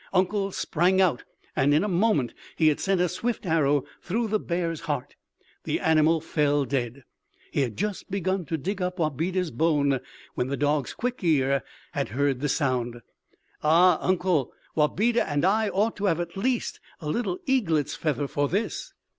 Uncle sprang out, and in a moment he had sent a swift arrow through the bear's heart. The animal fell dead. He had just begun to dig up Wabeda's bone, when the dog's quick ear had heard the sound. "Ah, uncle, Wabeda and I ought to have at least a little eaglet's feather for this!